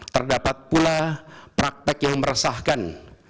terdapat pula praktek yang meresahkan